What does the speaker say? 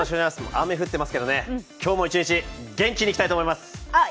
雨降っていますけど、今日も一日、元気にいきたいと思います。